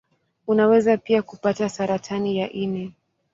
Unaweza pia kupata saratani ya ini.